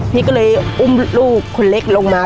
พี่ก็เลยอุ้มลูกคนเล็กลงมา